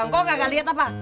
kok gak liat apa